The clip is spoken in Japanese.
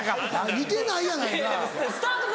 似てないやないか。